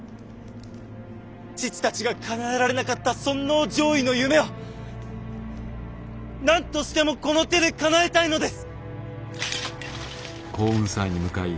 父たちがかなえられなかった尊王攘夷の夢を何としてもこの手でかなえたいのです！